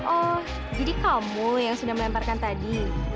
oh jadi kamu yang sudah melemparkan tadi